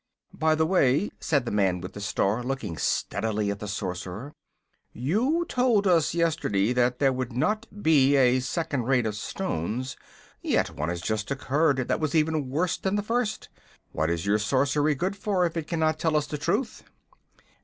"By the way," said the man with the star, looking steadily at the Sorcerer, "you told us yesterday that there would not be a second Rain of Stones. Yet one has just occurred that was even worse than the first. What is your sorcery good for if it cannot tell us the truth?"